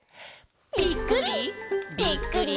ぴっくり！